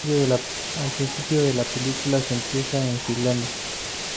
Al principio de la película, se empieza en Finlandia.